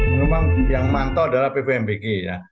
memang yang memantau adalah pvmbg ya